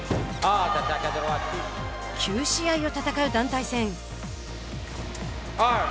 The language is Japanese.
９試合を戦う体戦。